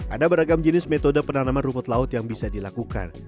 ada beragam jenis metode penanaman rumput laut yang bisa dilakukan